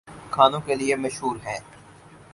کھانوں کے لیے مشہور ہیں